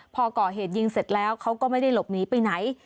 พอก่อเหตุยิงเสร็จแล้วเขาก็ไม่ได้หลบหนีไปไหน